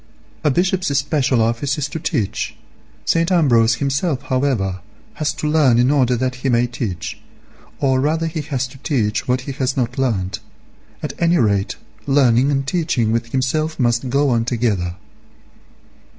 A Bishop's special office is to teach; St. Ambrose himself, however, has to learn in order that he may teach; or rather has to teach what he has not learnt; at any rate learning and teaching with himself must go on together.